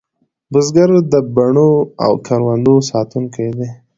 بزګر د بڼو او کروندو ساتونکی دی